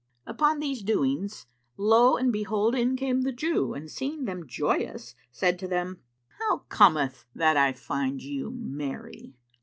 Upon these doings lo and behold! in came the Jew and seeing them joyous, said to them, "How cometh it that I find you merry?